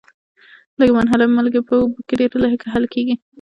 لږي منحله مالګې په اوبو کې ډیر لږ حل کیږي.